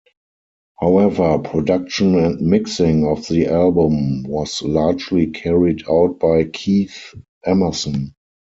However, production and mixing of the album was largely carried out by Keith Emerson.